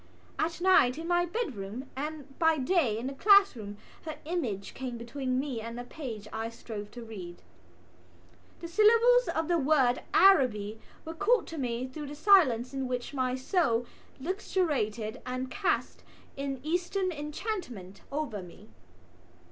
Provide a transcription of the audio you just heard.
At night in my bedroom and by day in the classroom her image came between me and the page I strove to read. The syllables of the word Araby were called to me through the silence in which my soul luxuriated and cast an Eastern enchantment over me.